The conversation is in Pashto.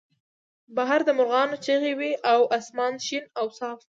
بهر د مرغانو چغې وې او اسمان شین او صاف و